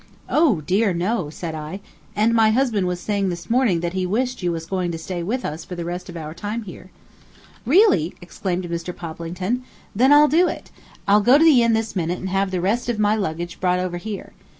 "Oh, dear, no," said I; "and my husband was saying this morning that he wished you was going to stay with us the rest of our time here." "Really!" exclaimed Mr. Poplington. "Then I'll do it. I'll go to the inn this minute and have the rest of my luggage brought over here.